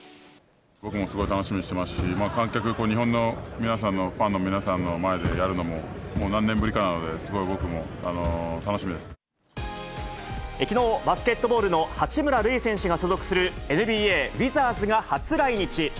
僕もすごい楽しみにしてますし、観客、日本の皆さんの、ファンの皆さんの前でやるのも、もう何年ぶりかなので、すごい僕きのう、バスケットボールの八村塁選手が所属するＮＢＡ・ウィザーズが初来日。